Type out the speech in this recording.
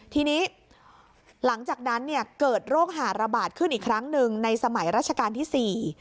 ทีนี้หลังจากนั้นเนี่ยเกิดโรคหาระบาดขึ้นอีกครั้งหนึ่งในสมัยราชการที่สี่